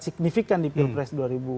signifikan di pilpres dua ribu dua puluh empat